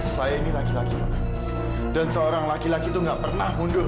saya ini laki laki pak dan seorang laki laki itu enggak pernah mundur pak